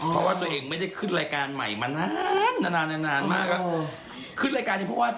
เพราะว่าตัวเองไม่ได้ขึ้นรายการใหม่มานานนานมาก